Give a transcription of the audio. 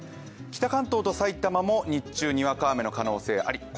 北関東と埼玉も日中、にわか雨の可能性あり。